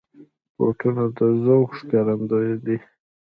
بوټونه د ذوق ښکارندوی دي.